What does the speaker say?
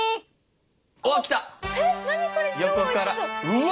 うわ！